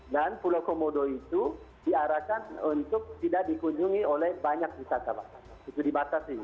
pulau komodo itu diarahkan untuk tidak dikunjungi oleh banyak wisatawan itu dibatasi